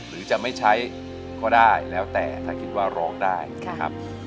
หรือจะไม่ใช้ก็ได้แล้วแต่ถ้าคิดว่าร้องได้นะครับ